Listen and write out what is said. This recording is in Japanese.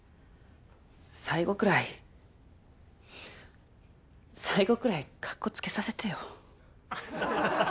最後くらい最後くらいかっこつけさせてよ。